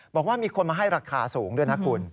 บอกว่ามีคนมาให้ราคาสูงด้วยนะคุณ